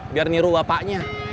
biar niru bapaknya